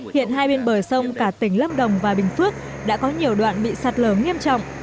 hiện hai bên bờ sông cả tỉnh lâm đồng và bình phước đã có nhiều đoạn bị sạt lở nghiêm trọng